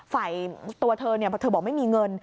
ฝ่ายตัวเธอเพราะเธอบอกไม่มีเงิน